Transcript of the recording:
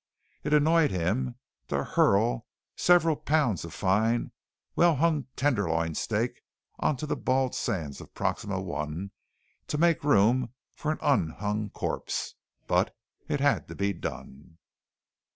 It annoyed him to hurl several pounds of fine, well hung tenderloin steak onto the bald sands of Proxima I to make room for an un hung corpse. But it had to be done.